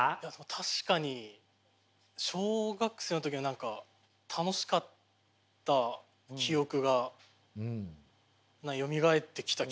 確かに小学生の時は何か楽しかった記憶がよみがえってきた気がします。